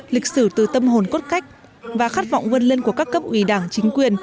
lịch sử từ tâm hồn cốt cách và khát vọng vươn lên của các cấp ủy đảng chính quyền